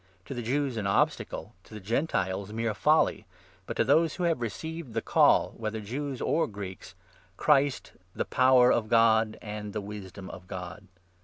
— to the Jews an obstacle, to the Gentiles mere folly, but to those who have received the Call, whether 24 Jews or Greeks, Christ, the Power of God and the Wisdom of God